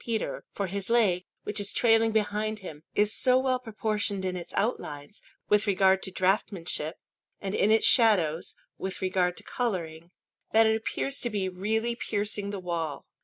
Peter; for his leg, which is trailing behind him, is so well proportioned in its outlines, with regard to draughtsmanship, and in its shadows, with regard to colouring, that it appears to be really piercing the wall.